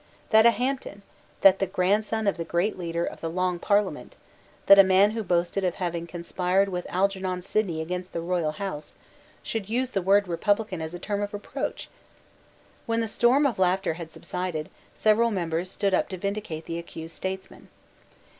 That a Hampden, that the grandson of the great leader of the Long Parliament, that a man who boasted of having conspired with Algernon Sidney against the royal House, should use the word republican as a term of reproach! When the storm of laughter had subsided, several members stood up to vindicate the accused statesmen.